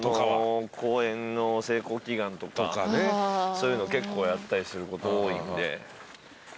公演の成功祈願とかそういうの結構やったりすること多いんで。